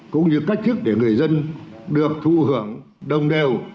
cũng như cách thức để người dân được thụ hưởng đồng đều